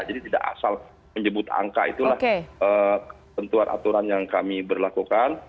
jadi tidak asal menyebut angka itulah tentuan aturan yang kami berlakukan